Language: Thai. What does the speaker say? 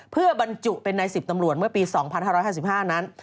เพื่อบรรจุเป็นใน๑๐ตำรวจเมื่อปี๒๕๕๕นั้น